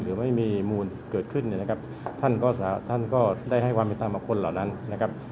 หรือไม่มีมูลเกิดขึ้นเนี่ยนะครับท่านก็ท่านก็ได้ให้ความเป็นธรรมกับคนเหล่านั้นนะครับ